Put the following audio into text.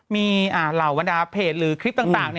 มีเหล่าบรรดาเพจหรือคลิปต่าง